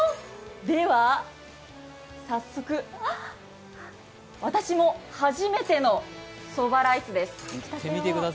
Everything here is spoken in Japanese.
では早速、私も初めてのそばライスです。